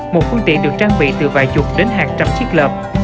một phương tiện được trang bị từ vài chục đến hàng trăm chiếc lợp